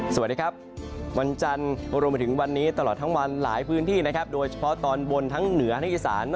สวัสดีครับวันจันทร์รวมไปถึงวันนี้ตลอดทั้งวันหลายพื้นที่นะครับโดยเฉพาะตอนบนทั้งเหนือทั้งอีสาน